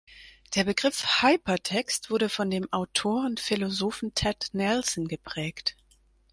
Der Begriff Hypertext wurde von dem Autor und Philosophen Ted Nelson geprägt.